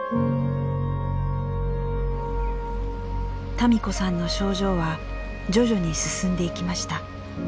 多美子さんの症状は徐々に進んでいきました。